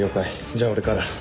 じゃあ俺から。